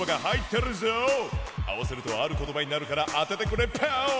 あわせるとあることばになるからあててくれパオン！